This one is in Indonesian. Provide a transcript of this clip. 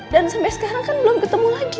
dan sampai sekarang kan belum ketemu lagi